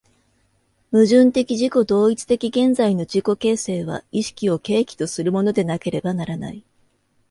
矛盾的自己同一的現在の自己形成は意識を契機とするものでなければならない。